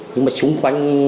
nhưng mà xung quanh